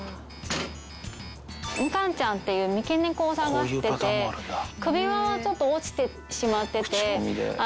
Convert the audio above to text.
みかんちゃんっていう三毛猫を探してて、首輪はちょっと落ちてしまってて。